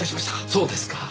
そうですか。